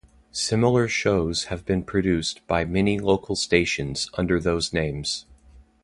Similar shows have been produced by many local stations under other names.